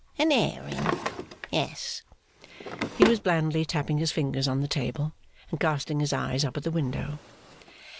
An airing. Yes.' He was blandly tapping his fingers on the table, and casting his eyes up at the window.